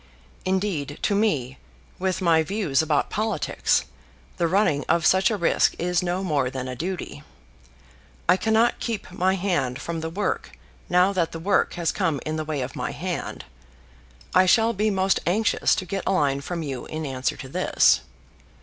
Indeed, to me, with my views about politics, the running of such a risk is no more than a duty. I cannot keep my hand from the work now that the work has come in the way of my hand. I shall be most anxious to get a line from you in answer to this.